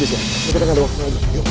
lepas bis ya kita gak ada waktu lagi yuk